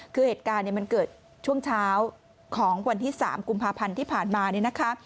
คือเหตุการณ์มันเกิดช่วงเช้าของวันที่๓กุมภาพันธ์ที่ผ่านมาเนี่ยนะคะ